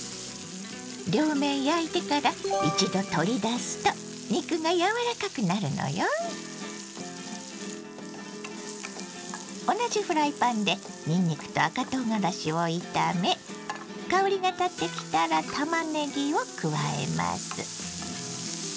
両面焼いてから同じフライパンでにんにくと赤とうがらしを炒め香りがたってきたらたまねぎを加えます。